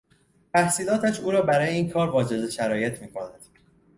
تحصیلاتش او را برای این کار واجد شرایط می کند.